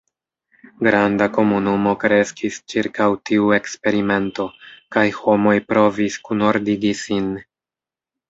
Granda komunumo kreskis ĉirkaŭ tiu eksperimento, kaj homoj provis kunordigi sin.